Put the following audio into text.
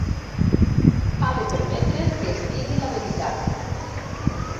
Ha de permetre que es digui la veritat.